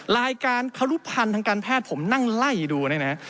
รายการครุพันธ์ทางการแพทย์ผมนั่งไล่ดูเนี่ยนะฮะ